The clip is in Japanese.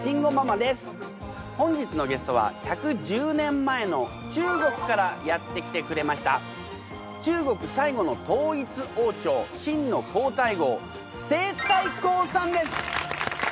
本日のゲストは１１０年前の中国からやって来てくれました中国最後の統一王朝「清」の皇太后西太后さんです！